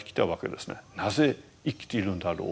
なぜ生きているんだろう。